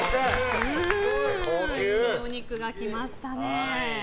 おいしそうなお肉が来ましたね。